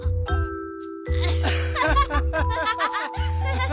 アハハハハ！